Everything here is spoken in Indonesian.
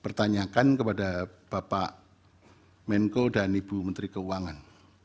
pertanyakan kepada bapak menko dan ibu menteri keuangan